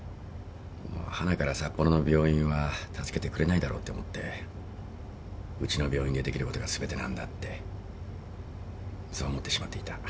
はなから札幌の病院は助けてくれないだろうって思ってうちの病院でできることが全てなんだってそう思ってしまっていた。